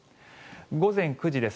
午前９時です。